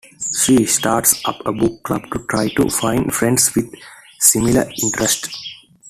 She starts up a book club to try to find friends with similar interests.